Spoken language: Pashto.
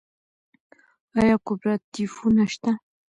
آیا کوپراتیفونه شته؟